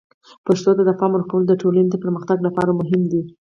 پښتو ته د پام ورکول د ټولنې د پرمختګ لپاره مهم دي.